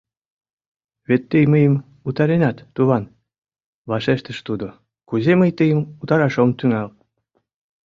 — Вет тый мыйым утаренат, туван, — вашештыш тудо, — кузе мый тыйым утараш ом тӱҥал?